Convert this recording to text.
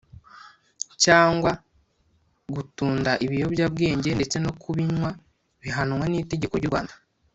cyangwa gutunda ibiyobyabwenge ndetse no ku binywa bihanwa n’itegeko ry’u Rwanda